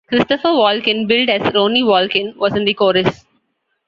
Christopher Walken, billed as Ronnie Walken was in the chorus.